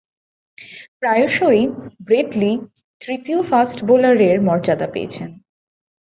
প্রায়শঃই Brett Lee তৃতীয় ফাস্ট-বোলারের মর্যাদা পেয়েছেন।